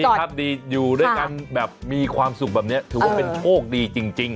ครับดีอยู่ด้วยกันแบบมีความสุขแบบนี้ถือว่าเป็นโชคดีจริง